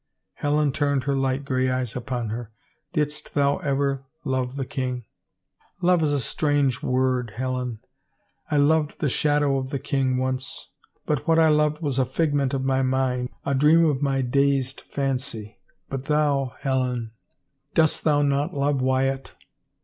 Helen turned her light gray eyes upon ber. " Didst thou ever love the king?" " Love is a strange word, Helen. I loved the shadow of the king once. But what I loved was a figment of my mind, a dream of my dazed fancy. But thou — Helen, dost thou not love Wyatt?"